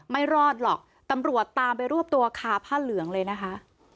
ไม่รอดหรอกตำรวจตามไปรวบตัวคาผ้าเหลืองเลยนะคะ